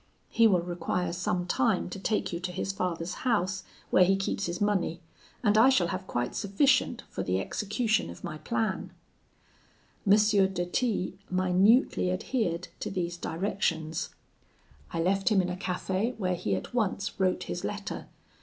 He will require some time to take you to his father's house, where he keeps his money, and I shall have quite sufficient for the execution of my plan.' "M. de T minutely adhered to these directions. I left him in a cafe, where he at once wrote his letter.